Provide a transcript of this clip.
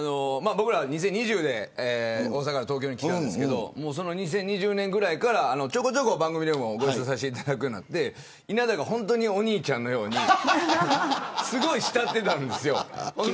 ２０２０年に大阪から東京に来たんですけど、そのぐらいからちょこちょこ、番組でもご一緒させていただくようになり稲田が本当にお兄ちゃんのようにすごい慕っていたんですよ。